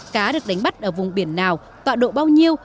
cá được đánh bắt ở vùng biển nào tọa độ bao nhiêu